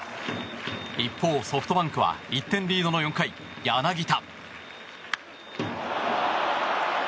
一方、ソフトバンクは１点リードの４回、柳田。